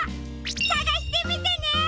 さがしてみてね！